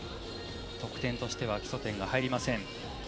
得点としては基礎点が入りません。